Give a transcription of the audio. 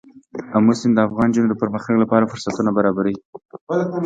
آمو سیند د افغان نجونو د پرمختګ لپاره فرصتونه برابروي.